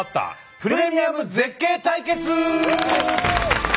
プレミアム絶景対決！